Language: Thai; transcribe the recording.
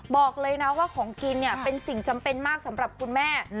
บอกเลยนะว่าของกินเนี่ยเป็นสิ่งจำเป็นมากสำหรับคุณแม่